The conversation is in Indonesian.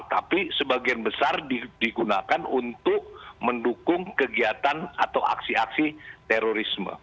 tapi sebagian besar digunakan untuk mendukung kegiatan atau aksi aksi terorisme